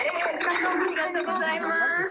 ありがとうございます。